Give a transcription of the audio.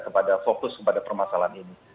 kepada fokus kepada permasalahan ini